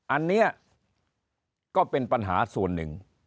อันนี้ก็เป็นปัญหาส่วนหนึ่ง